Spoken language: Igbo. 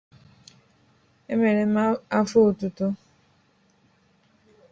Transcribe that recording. Emereme "Afo Otuto"